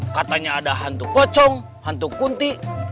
katanya ada hantu pocong hantu kuntik